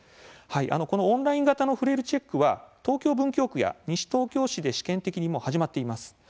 オンライン型のフレイルチェックは東京・文京区や西東京市で試験的に始まっています。